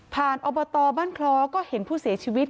อบตบ้านคล้อก็เห็นผู้เสียชีวิต